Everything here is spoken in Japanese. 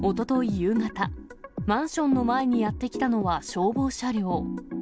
夕方、マンションの前にやって来たのは消防車両。